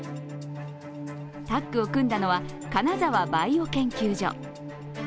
タッグを組んだのは金澤バイオ研究所。